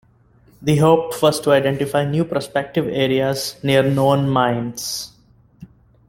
The hope was to identify new prospective areas near known mines.